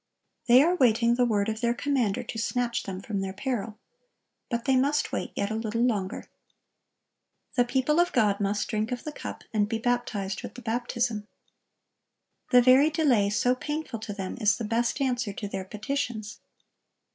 They are waiting the word of their Commander to snatch them from their peril. But they must wait yet a little longer. The people of God must drink of the cup, and be baptized with the baptism. The very delay, so painful to them, is the best answer to their petitions.